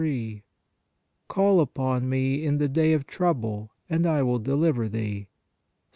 3) ;" Call upon Me in the day of trouble, and I will deliver thee" (Ps.